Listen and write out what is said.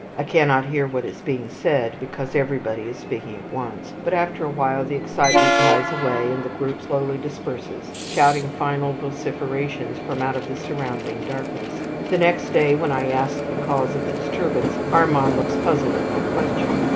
I cannot hear what is being said, because everybody is speaking at once; but after a while the excitement dies away, and the group slowly disperses, shouting final vociferations from out of the surrounding darkness. The next day when I ask the cause of the disturbance, Armand looks puzzled at my question.